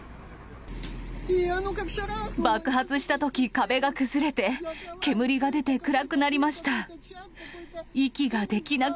爆発したとき、壁が崩れて、煙が出て暗くなりました。